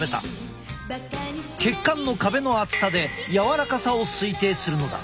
血管の壁の厚さで柔らかさを推定するのだ。